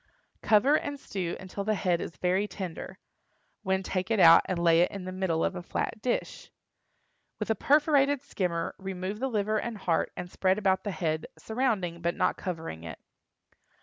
Cover and stew until the head is very tender, when take it out and lay it in the middle of a flat dish. With a perforated skimmer remove the liver and heart and spread about the head, surrounding, but not covering it.